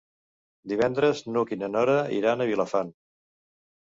Divendres n'Hug i na Nora iran a Vilafant.